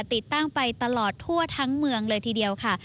ติดตั้งไปตลอดทั่วทั้งเมืองเลยทีเดียวค่ะ